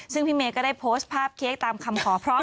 ซึ่งพี่เมย์ก็ได้โพสต์ภาพเค้กตามคำขอพร้อม